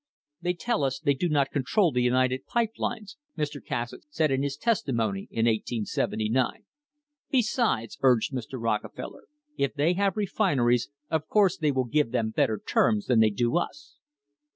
"They tell us that they do not control the United Pipe Lines," Mr. Cassatt said in his testimony in 1879. Besides, urged Mr. Rockefeller, I if they have refineries of course they will give them better : terms than they do us.